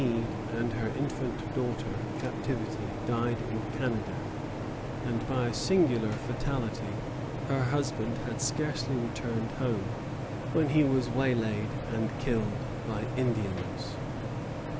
_] Mrs. Smead and her infant daughter "Captivity" died in Canada, and, by a singular fatality, her husband had scarcely returned home when he was waylaid and killed by Indians.